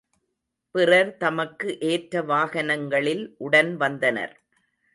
பிறர் தமக்கு ஏற்ற வாகனங்களில் உடன் வந்தனர்.